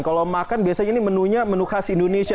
kalau makan biasanya ini menunya menu khas indonesia